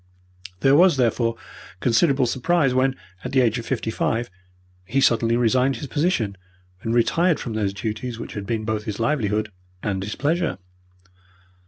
There was, therefore, considerable surprise when, at the age of fifty five, he suddenly resigned his position and retired from those duties which had been both his livelihood and his pleasure.